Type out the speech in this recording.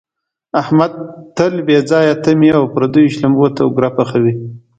احمد تل بې ځایه تمې او پردیو شړومبو ته اوګره پحوي.